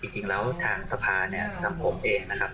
จริงแล้วทางสภาเนี่ยทางผมเองนะครับ